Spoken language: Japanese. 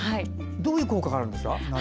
どういう効果があるんですか？